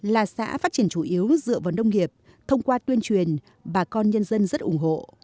là xã phát triển chủ yếu dựa vào nông nghiệp thông qua tuyên truyền bà con nhân dân rất ủng hộ